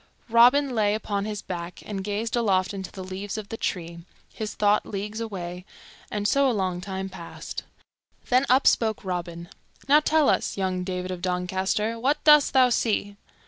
Robin lay upon his back and gazed aloft into the leaves of the trees, his thought leagues away, and so a long time passed. Then up spoke Robin, "Now tell us, young David of Doncaster, what dost thou see?"